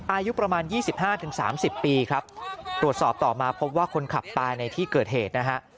อายุประมาณ๒๕๓๐ปีครับตรวจสอบต่อมาพบว่าคนขับตายในที่เกิดเหตุนะฮะ